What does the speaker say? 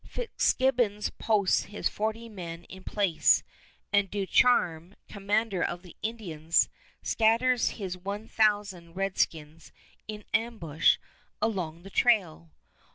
Fitzgibbons posts his forty men in place, and Ducharme, commander of the Indians, scatters his one thousand redskins in ambush along the trail.